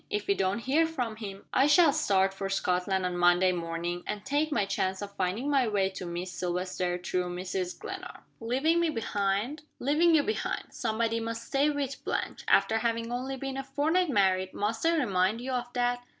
If we don't hear from him, I shall start for Scotland on Monday morning, and take my chance of finding my way to Miss Silvester, through Mrs. Glenarm." "Leaving me behind?" "Leaving you behind. Somebody must stay with Blanche. After having only been a fortnight married, must I remind you of that?"